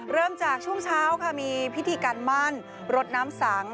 เริ่มจากช่วงเช้าค่ะมีพิธีการมั่นรดน้ำสัง